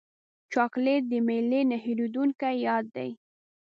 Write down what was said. چاکلېټ د میلې نه هېرېدونکی یاد دی.